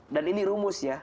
dan ini rumus ya